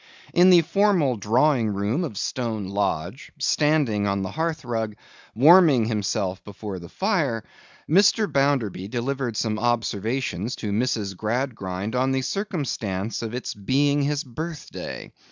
In the formal drawing room of Stone Lodge, standing on the hearthrug, warming himself before the fire, Mr. Bounderby delivered some observations to Mrs. Gradgrind on the circumstance of its being his birthday.